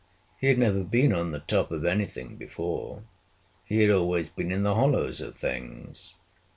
He had never been on the top of anything before. He had always been in the hollows of things.